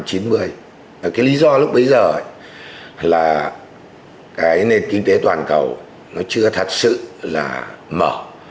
cái lý do lúc bấy giờ là cái nền kinh tế toàn cầu nó chưa thật sự là mở